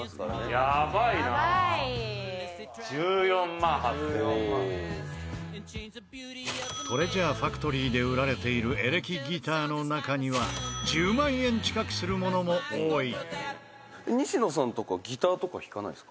「やばい」「１４万８０００円」「１４万」トレジャーファクトリーで売られているエレキギターの中には１０万円近くするものも多い。